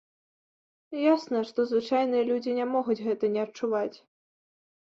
Ясна, што звычайныя людзі не могуць гэта не адчуваць.